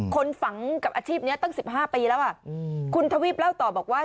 คนฝังกับอาชีพนี้ตั้ง๑๕ปีแล้วอ่ะคุณทวีปเล่าต่อบอกว่า